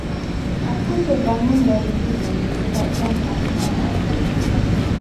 Aku terbangun dari tidur disebabkan asma aku.